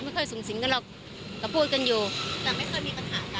ไม่ค่อยสูงสินกันหรอกก็พูดกันอยู่แต่ไม่ค่อยมี